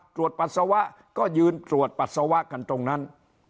ปัสสาวะก็ยืนตรวจปัสสาวะกันตรงนั้น